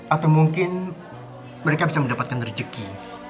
atau mungkin mereka bisa mendapatkan rejeki